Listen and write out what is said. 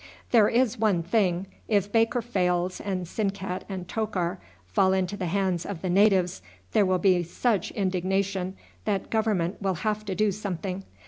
There is one thing, if Baker fails and Sinkat and Tokar fall into the hands of the natives, there will be such indignation that government will have to do something.